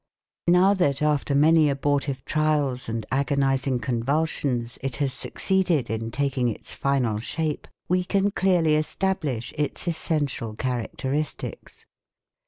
Now that after many abortive trials and agonizing convulsions it has succeeded in taking its final shape, we can clearly establish its essential characteristics.